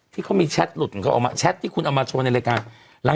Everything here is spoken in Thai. ที่เขามีแชทหลุดแชทที่คุณลองมาชวนในรายการ